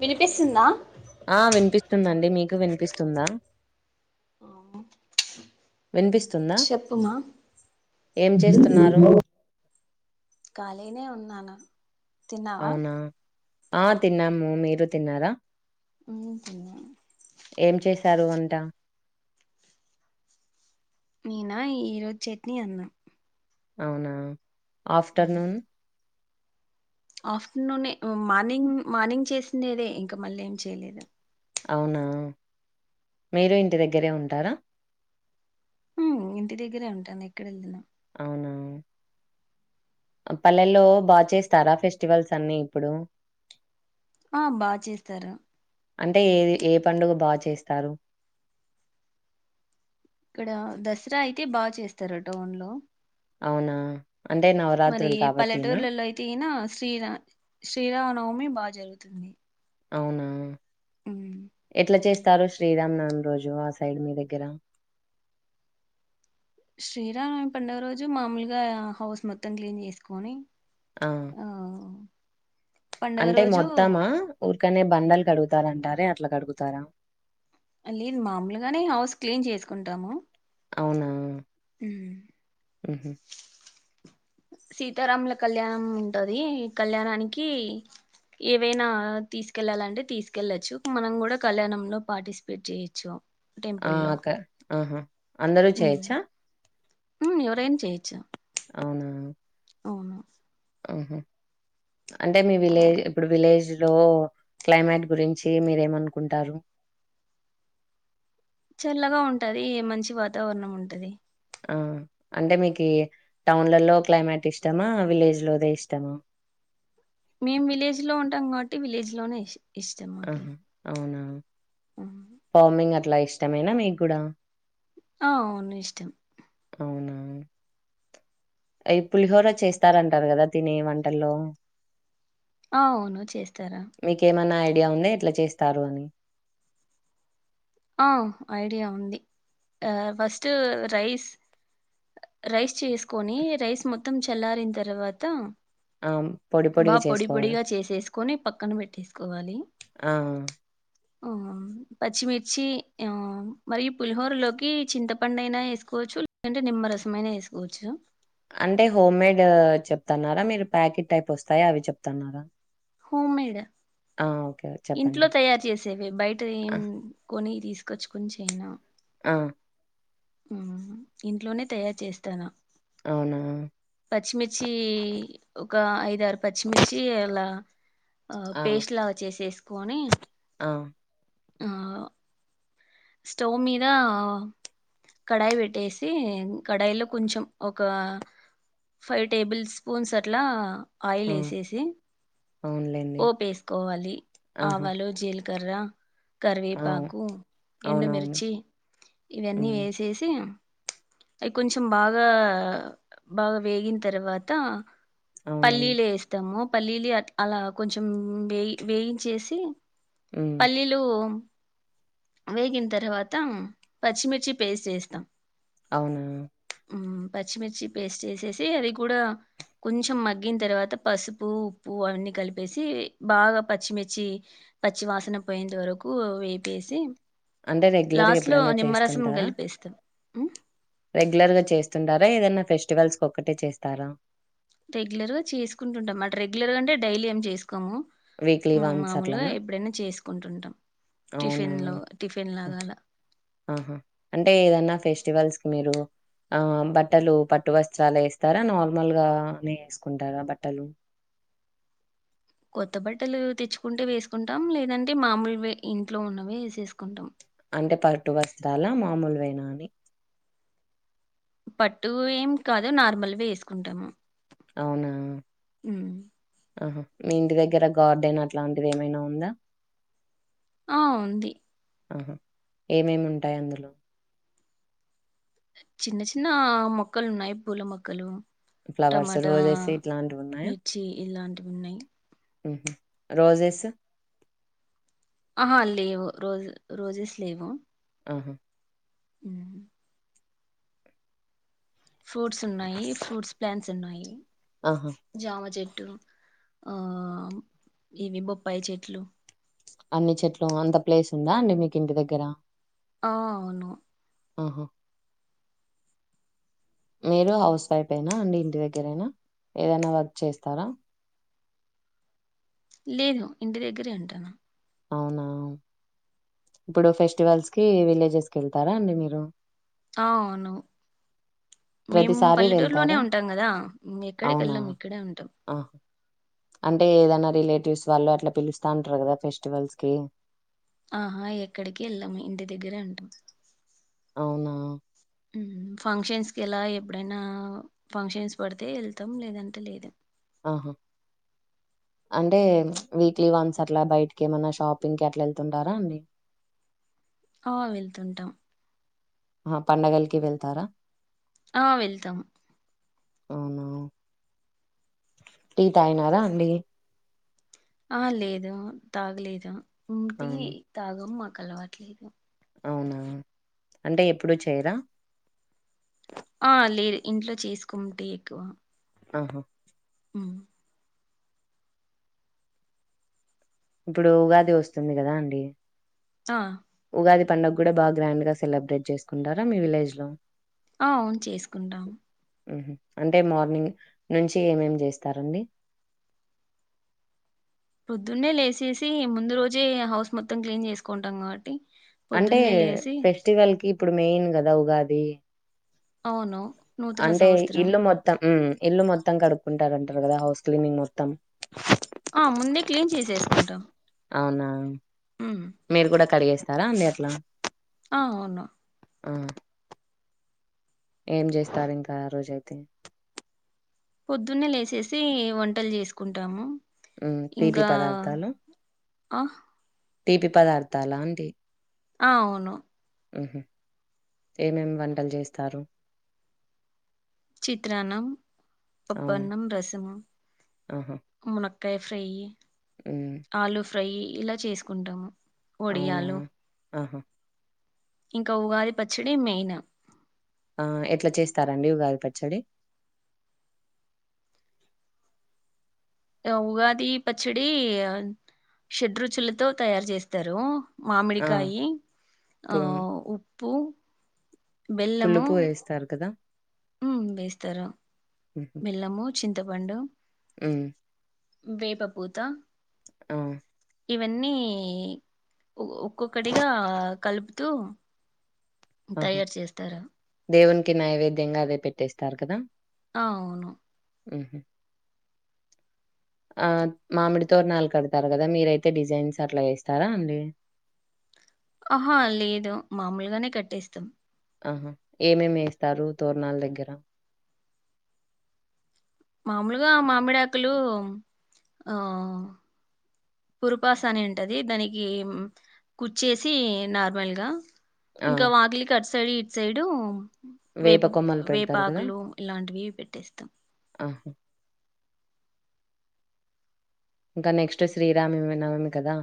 వినిపిస్తుందా ఆ వినిపిస్తుందండి. మీకు ఇప్పుడు వినిపిస్తుందా అవునా వినిపిస్తు చెప్పుమా ఏం చేస్తున్నారు ఖాళీనే ఉన్నాను. తిన్నావా అవునా ఆ తిన్నాము. మీరు తిన్నారా అ తిన్న ఈసారి కొంటా నేనా ఈ రోజు చట్నీ, అన్నాం అవునా ఆఫ్టర్నూన్ ఆఫ్టర్నూనే మార్నింగ్ మార్నింగ్ చేసిండేదే ఇంకా మళ్ళీ ఎమ్ చేయలేదు. అవునా మీరు ఇంటి దగ్గరే ఉంటారా హ్మ్ ఇంటి దగ్గరే ఉంటాను. ఎక్కడ వెళ్ళాను. అవునా పల్లెల్లో బాగా చేస్తారా ఫెస్టివల్స్ అన్ని ఇప్పుడు ఆ బాగా చేస్తారు. అంటే ఏది ఏ పండుగ బాగా చేస్తారు. ఇక్కడ దసరా అయితే బాగా చేస్తారా టౌన్ లో అవునా అంటే మరి నవరాత్రులు కాబట్టినా పల్లెటూర్లలో అయితే ఈనా శ్రీరా శ్రీరామనవమి బాగా జరుగుతుంది. అవునా మ్మ్ ఎట్లా చేస్త స్తారు శ్రీరామనవమి రోజు ఆ సైడ్ మీ దగ్గర శ్రీరానమమి పండుగ రోజు మామూలుగా హౌస్ మొత్తం క్లీన్ చేసుకొని ఆ ఆ పండుగ అంటే రోజు మొత్తమా ఊరికనే బండలు కడుగు తారంటారే అట్లా కడుగుతారా లేదు మామూలుగానే హౌస్ క్లీన్ చేసుకుంటాము అవునా ఉమ్ ఉహు సీతారాముల కళ్యాణం ఉంటది ఈ కళ్యాణానికి ఏవైనా తీసుకెళ్ళాలంటే తీసుకెళ్లొచ్చు మనం కూడా కళ్యాణంలో పార్టిసిపేట్ చేయొచ్చు ఆ టెంపుల్లో అకే ఆహా అందరూ చేయొచ్చా ఉమ్ ఎవరైనా చేయిచ్చు అవునా అవును ఆహా అంటే మీ విలేజ్ ఇప్పుడు విలేజ్ లో క్లైమేట్ గురించి మీరేమనుకుంటారు చల్లగా ఉంటది మంచి వాతావరణం ఉంటది ఆ అంటే మీకి టౌన్లలో క్లైమేట్ ఇష్టమా విలేజ్ లోదే ఇష్టమా మేం విలేజ్ లో ఉంటాం కాబట్టి విలేజ్ లోనే ఇష్ ఇష్టం మాకి ఆహా అవునా ఫార్మింగ్ అ ఇట్ల ఇష్టమైనా మీకు కూడా ఆ అవును ఇష్టం ఆయి పులిహోర చేస్తారంటారు కదా తినే వంటల్లో ఆ అవును చేస్తారా మీకేమన్నా ఐడియా ఉంది ఎట్లా చేస్తారు అని ఆ ఐడియా ఉంది ఫస్ట్ రైస్ రైస్ చేసు కొని రైస్ మొ త్తం చల్లారిన తర్వాత ఆ! పొడి బా పొడిగా పొడి చేసుకోవడం. పొడిగా చేసేసుకొని పక్కన పెట్టేసుకోవాలి ఆ! ఓ పచ్చిమిర్ చ్చి ఆ మరియు పులిహోరలోకి చింతపండు అయినా వేసుకోవచ్చు లేదంటే నిమ్మరసంమయినా వేసుకోవచ్చు అంటే హోమ్ మేడ్ చెప్తన్నారా మీరు ప్యాకెట్ టైప్ వస్తాయి అవి చెప్తన్నారా హోమ్ మేడ్ ఆ ఓకే ఇంట్లో చెప్పండి. తయారు చేసేవి బయట ఏం ఆ! కొని తీసుకొచ్చుకని చేయనా ఆ! ఆ ఇంట్లోనే తయారు చేస్తాను అవునా! పచ్చిమిర్చ్చి ఐదారు పచ్చిమిచ్చి ఎలా ఆ పేస్ట్ లా వ చేేసేసుకొని ఆ! స్టవ్ మీద కడాయి పెట్టేసి కడాయిలో కొంచెం ఒక ఫైవ్ టేబుల్ స్పూన్స్ అట్లా ఆ! ఆయిల్ ఎసేసి అవునులెండి. పోపేసుకోవాలి ఆహా! ఆవాలు జీలకర్ర గరా కరవే అవును. పాకు అవునవును. ఎండుమిర్చి ఇవన్నీ హ్మ్. వేసేసి అవి కొంచెం బాగా బాగా వేగిన తర్వాత అవునండి. పల్లీలే ఇేస్తాము పల్లీలి అలా కొంచెం వేయి వేయించేసి హ్మ్. పల్లీలు వేగిన తర్వాత పచ్చిమిర్చి పేస్ట్ చేేస్తాం అవునా పచ్చిమిర్చి పేస్ట్ వేసేసి అది కూడా కొంచెం మగ్గిన తర్వాత పసుపు ఉప్పు అవన్నీ కలిపేసి బాగా పచ్చిమిర్చి పచ్చి వాసన పోయేంత వరకు వేపేసి అంటే రెగ్యులర్గా లాస్ట్ లో ఎప్పుడైనా నిమ్మరసం చేస్తుంటారా కలిపేస్తాం మ్మ్ రెగ్యులర్ గా చేస్తుంటారా ఏదనా ఫెస్టివల్స్ ఒకక్కటే చేస్తారా రెగ్యులర్గాసుకుంటామాట రెగ్యులర్గా అంట డైలీ ఏం చేసుకోం పుఖము వీక్లీ వన్స్ మామూలుగా అట్లనా? ఎప్పుడైనా చేసుకుంటుంటాం అవునా టిఫిన్ లో టిఫిన్ లాగా అలా ఆహా అంటే ఏదన్నా ఫెస్టివల్ మీరు ఆ బట్టలు పట్టు వస్త్రాలే వేస్తారా నార్మల్ గా నే వేసుకుంటారా బట్టలు కొత్త బట్టలు తెచ్చుకుంటే వేసుకుంటాం లేదంటే మామూలు వే ఇంట్లో ఉన్నవే వేసేసుకుంటాం అంటే పట్టు వస్త్రాల మామూలువేనా అని పట్టు ఏం కాదు నార్మల్వే వేసుకుంటాము అవునా ఉమ్ ఆహా మీ ఇంటి దగ్గర గార్డెన్ అట్లాంటిది ఏమైనా ఉందా ఆ ఉంది ఆహా ఏమేమి ఉంటాయి అందులో చిన్న చిన్న మొక్కలు ఉన్నాయి పూల మొక్కలు ఫ్లవర్స్ టమాటా రోజెస్ ఇట్లాంటివి ఉన్నాయా? మిర్చి ఇలాంటివి ఉన్నాయి ఉహు రోజెస్ ఆహా లేవు రోజ్ రోజెస్ లేవు ఆహా ఉమ్ ఫ్రూట్స్ ఉన్నాయి ఫ్రూట్స్ ప్లాంట్స్ ఉన్నాయి ఆహా జామ చెట్ ఆ ఇవి బొప్పాయి చెట్లు అన్ని చెట్లు అంత ప్లేస్ ఉందా అండి మీకు ఇంటి దగ్గర ఆ అవును ఆహా మీరు హౌస్ వైఫ్ఎనా అండి ఇంటి దగ్గరైనా ఏదైనా వర్క్ చేస్తారా లేదు ఇంటి దగ్గరే ఉంటాను అవునా ఇప్పుడు ఫెస్టివల్స్ కి విలేజెస్ కి వెళ్తారా అండి మీరు అవును మేము ప్రతిసారి పల్లెటూరులోనే వెళ్తారా? ఉంటాం కదా ఎక్కడికి అవునా? వెళ్లం ఇక్కడే ఉంటాం ఆహా! అంటే ఏదైనా రిలేటివ్స్ వాళ్ళు అట్లా పిలుస్తా ఉంటారు కదా ఫెస్టివల్స్ కి ఆహా ఎక్కడికి వెళ్ళము ఇంటి దగ్గరే ఉంటాము అవునా ఉహు ఫంక్షన్స్ ఎలా ఎప్పుడైనా ఫంక్షన్స్ పడితే వెళ్తాం లేదంటే లేదు ఆహా అంటే వీక్లీ వన్స్ అట్లా బయటికి ఏమన్నా షాపింగ్కి ఎట్లా వెళ్తుంటారా అండి ఆ వెళ్తుంటాం ఆహ పండగలకి వెళ్తారా ఆ వెళ్తాము అవునా టీ తగినారా అండి ఆ లేదు తాగలేదు మేం టీ అవును. తాగమ్ అలవట్లేదు అవునా అంటే ఎప్పుడు చేయరా ఆ లేదు ఇంట్లో చేసుకోము టీ ఎక్కువ ఆహా ఉమ్ ఇప్పుడు ఉగాది వస్తుంది కదా అండి ఆ పండుగ కూడా బా గ్రాండ్ గా సెలబ్రేట్ చేసుకుంటారా మీ విలేజ్ లో అ అవును చేసుకుంటాం హుహు. అంటే మార్నింగ్ నుంచి ఏమేమి చేస్తారండి పొద్దున్నే లేచేసి ముందు రోజే హౌస్ మొత్తం క్లీన్ చేసుకుంటాం కాబట్టి అంటే పొద్దున్నే లేసి ఫెస్టివల్ కి ఇప్పుడు మెయిన్ కదా ఉగాది అవును నూతన అంటే సంవత్సరం ఇల్లు మొత్తం ఇల్లు మొత్తం కడుక్కుంటారుండి కదా హౌస్ క్లీనింగ్ మొత్తం ఆ ముందే క్లీన్ చేసేసుకుంటాం అవునా ఉమ్. మీరు కూడా కడిగేస్త తరా అ నేర్లా ఆ అవును ఆ ఏం చేస్తారు ఇంకా ఆ రోజైతే పొద్దున్నే లేచేసి వంటలు చేసుకుంటాము ఉ తీపి ఇంకా పదార్థాలు ఆ తీపి పదార్థాల అండి ఆ అవును ఉహు ఏమేమి వంటలు చేస్తారు చిత్ర అన్నం ఆ! పప్పన్నం రసము ఆహా! మున కాయే ఫ్రై హ్మ్. ఆలుఫ ఫ్రై ఇలా చేసుకుంటాము అవునా! ఒడియాలు ఆహా! ఇంకా ఉగాది పచ్చడి మెయిన్ ఆ ఎట్లా చేస్తారండి ఉగాది పచ్చడి ఉగాది పచ్చడి షడ్రుచులతో తయారు చేస్తారు ఆ! మామిడికాయి ఆ పు ఉ పు పులుసు వేస్తారు కదా ఉ వేస్తరు హ్మ్. బెల్లము చింతపండు హ్మ్ వేపపూత అ ఇవన్నీ ఒక్కొక్కటిగా కలుపు తు తయారు చేస్తారా కి నైవేద్యంగా అదే పెట్టేస్తారు కదా అ అవును ఉహు ఆ మామిడి తోరణాలు కడతారు కదా మీరైతే డిజైన్స్ అట్లా ఏస్తారా అండి ఆహా లేదు మామూలుగానే కట్టేస్తాం ఆహా ఏమేమి వేస్తారు తోరణాల దగ్గర మామూలుగా మామిడాకులు ఆ పురుపాస అని ఉంటది దానికి కుచ్చేసి నార్మల్గా ఆ! ఇంకా వాకిలి కడుస్ సైడ్ ఇట్ సైడు వేప వేపు కొమ్మలు పెడతారు గదా! వేపాకులు ఇలాంటివి పెట్టేస్తాం ఆహా! ఇంకా నెక్స్ట్ శ్రీరామనవమి కదా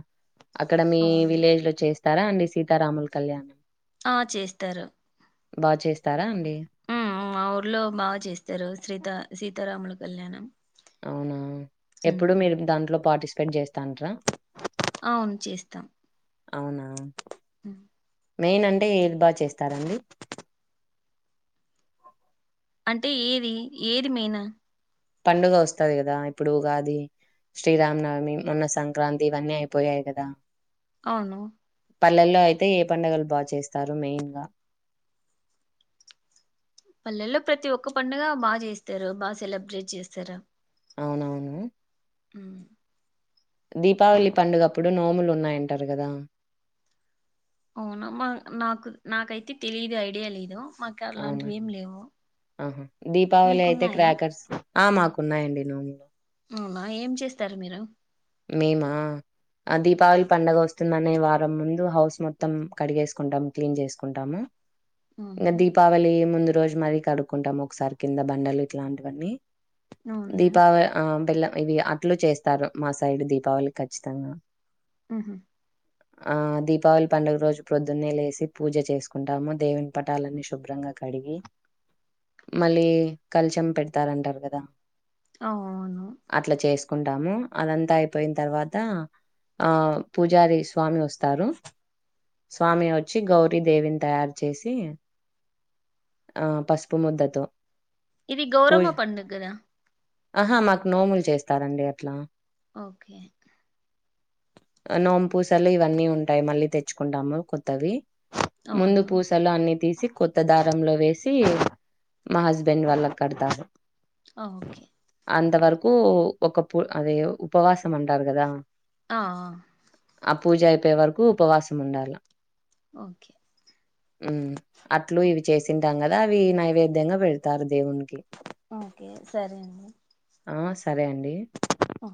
అక్కడ మీ అవునా విలేజ్ లో చేస్ స్తారా అండి సీతారాములు కళ్యాణం ఆ చేస్తారు బాగా చేస్తారా అండి హ్మ్ హ్మ్ మా ఊర్లో బాగా చేస్తారు సీత సీత సీతరాముల కళ్యాణం అవునా ఉమ్, ఎప్పుడు మీరు దాంట్లో పాటిస్ పేట్ చెస్తాంట్రా అవును చేస్తాం అవునా అ మెయిన్ అంటే ఏది బాగా చేస్తారండి అంటే ఏది ఏది మేయిన్ పండుగ వస్తది కదా ఇప్పుడు ఉగాది శ్రీరామనవమి మొన్న సంక్రాంతి ఇవన్నీ అయిపోయాయి కదా అవును పల్లెల్లో అయితే ఏ పండగలు బాగా చేస్తారు మెయిన్ గా పళ్లలో ప్రతి ఒక్క పండుగ బాగా చేస్తారు బాగా సెలబ్రేట్ చేస్తారు అవునువును అ దీపావళి పండుగప్పుడు నోములు ఉన్నాయంటారు కదా అవునామ్ మా నాకు నాకైతే తెలిదు ఐడియా లేదు మాకు అవునా అలాంటివి ఏం లేవు ఆహా దీపావళి అయితే మీకున్నాయా క్రాకర్స్ ఆ మాకున్నాయండి నోము అవునా ఏం చేస్తారు మీరు మేమా ఆ దీపావళి పండగ వస్తుందనే వారం ముందు హౌస్ మొత్తం కడిగేసుకుంటాము క్లీన్ చేసుకుంటాము ఇంగ ఉహు, దీపవళి ముందు రోజు మరీ కడుక్కుంటాం ఒకసారి కింద బండలు ఇట్లాంటివన్నీ అవునులే దీపావళి ఆ బెల్ల ఇవి అట్లు చేస్తారు మా సైడ్ దీపావళి ఖచ్చితంగా హ్మ్ హు ఆ దీపావళి పండుగ రోజు ప్రొద్దున్నే లేసి పూజ చేసుకుంటాము దేవని పటాలన్నీ శుభ్రంగా కడిగి మళ్ళీ కల్చం పెడతారంటారు కదా అఓ కుంటాము అదంతా అయిపోయిన తర్వాత ఆ పూజారి స్వామి వస్తారు స్వామి వచ్చి గౌరీ దేవిని తయారు చేసి ఆ పసుపు ముద్దతో ఇది గౌరవమ్మ పండుగ కదా ఆహా మాకు నోములు చేస్తారండి అట్లా ఓకే నోంపూసలు ఇవన్నీ ఉంటాయి మళ్ళీ తెచ్చుకుంటాము కొత్తవి అవునా ముందు పూసలు అన్నిీ తీసి కొత్త దారంలో వేసి మా హస్బెండ్ వాళ్ల కడతారు ఆ ఓకే అంతవరకు ఒక పూ అదే ఉపవాసం ఉంటారు కదా ఆ ఆ పూజ అయిపోయే వరకు ఉపవాసం ఉండాల ఓకే ఉ అట్లు ఇవి చేసింది పెంటాం కదా అవి నైవేద్యంగా పెడతారు దేవునికి ఓకే సరే అండి ఆ సరే అండి ఆఓ